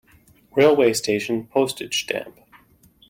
Railway station Postage stamp.